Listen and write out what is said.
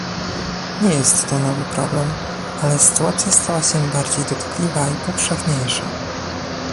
Nie jest to nowy problem, ale sytuacja stała się bardziej dotkliwa i powszechniejsza